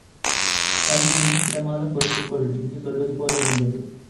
தம்பி இன்னும் சில மாதம் பொறுத்துக் கொள் என்று சொல்வது போல இருந்தது.